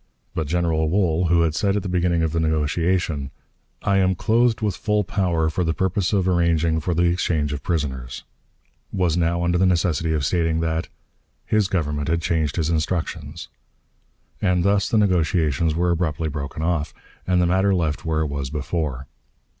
But General Wool, who had said at the beginning of the negotiation, "I am clothed with full power for the purpose of arranging for the exchange of prisoners," was now under the necessity of stating that "his Government had changed his instructions." And thus the negotiations were abruptly broken off, and the matter left where it was before.